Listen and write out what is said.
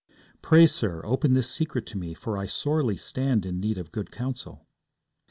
'Pray, sir, open this secret to me, for I sorely stand in need of good counsel.'